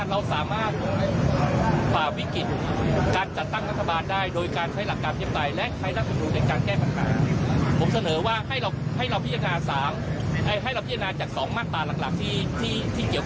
เรียกกันเลยว่าสวเนี่ยแม้ว่าจะมีสิทธิ์